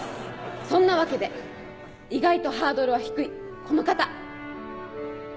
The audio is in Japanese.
そんなわけで意外とハードルは低いこの方。